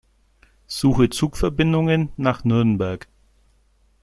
Suche Zugverbindungen nach Nürnberg.